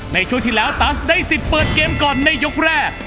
ในช่วงที่แล้วตัสได้สิทธิ์เปิดเกมก่อนในยกแรก